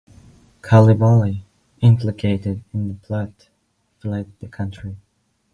Coulibaly, implicated in the plot, fled the country.